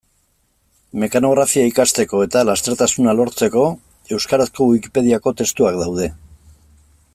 Mekanografia ikasteko eta lastertasuna lortzeko euskarazko Wikipediako testuak daude.